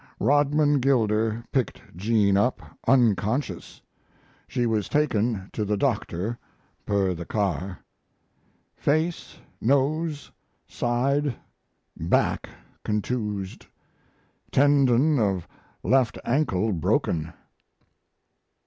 Rodman Gilder picked Jean up, unconscious; she was taken to the doctor, per the car. Face, nose, side, back contused; tendon of left ankle broken.